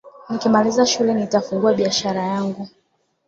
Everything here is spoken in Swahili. Nikimaliza shule nitafungua biashara yangu